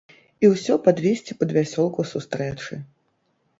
І ўсё падвесці пад вясёлку сустрэчы.